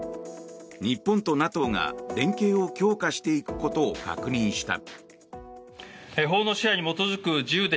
日本とＮＡＴＯが連携を強化していくことを確認した。